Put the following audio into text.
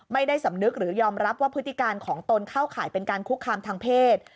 ไม่ได้สำนึกหรือยอมรับว่าพฤติการของตนเข้าข่ายเป็นการคุกคามทางเพศ